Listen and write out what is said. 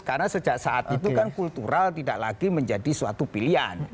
karena sejak saat itu kan kultural tidak lagi menjadi suatu pilihan